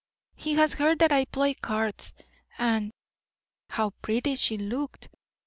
He has heard that I play cards, and How pretty she looked!